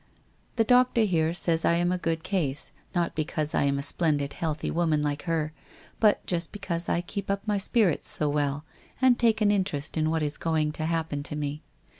The doctor here says T am a good case, not because I am a splendid healthy woman like her, but just because I keep up my spirits so well and take an interest in what is going to happen to me.